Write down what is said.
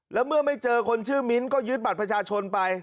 แล้วเมื่อไม่เจอคนชื่อมิ้นท์ก็ยึดบัตรประชาชนไป